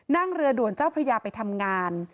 นั่งเรือด่วนเจ้าพระยาไปทำงาน